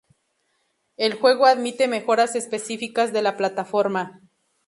El juego admite mejoras específicas de la plataforma.